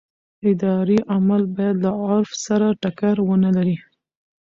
اداري عمل باید له عرف سره ټکر ونه لري.